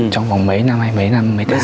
trong vòng mấy năm hay mấy năm mấy tháng